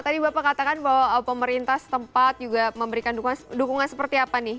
tadi bapak katakan bahwa pemerintah setempat juga memberikan dukungan seperti apa nih